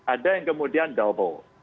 ada yang kemudian double